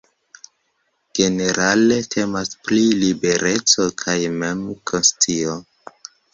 Generale temas pri libereco kaj mem-konscio.